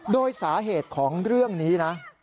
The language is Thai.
โดยสาเหตุของเรื่องนี้นะ